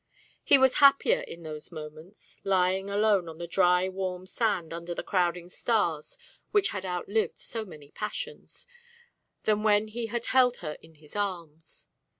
He was happier in those moments, lying alone on the dry warm sand under the crowding stars which had outlived so many passions, than when he had held her in his arms.